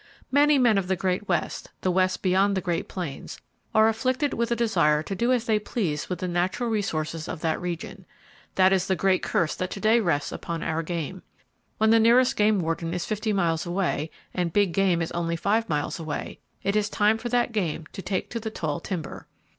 Many men of the Great West,—the West beyond the Great Plains,—are afflicted with a desire to do as they please with the natural resources of that region. That is the great curse that to day rests upon our game. When the nearest game warden is 50 miles away, and big game is only 5 miles away, it is time for that game to take to the tall timber.